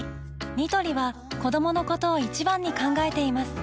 ニトリは子どものことを一番に考えています